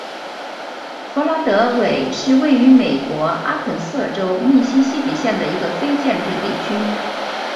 弗拉德韦是位于美国阿肯色州密西西比县的一个非建制地区。